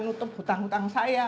bisa menutup hutang hutang saya